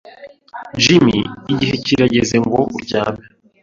Jimmy, igihe kirageze ngo uryame.